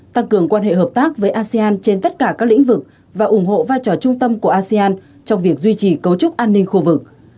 tăng cường quan hệ hợp tác với asean trên tất cả các lĩnh vực và ủng hộ vai trò trung tâm của asean trong việc duy trì cấu trúc an ninh khu vực